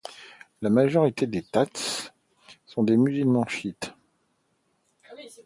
La majorité des Tats sont des musulmans chiites.